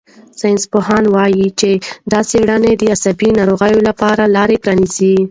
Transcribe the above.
ساینسپوهان وايي چې دا څېړنه د عصبي ناروغیو لپاره لار پرانیزي.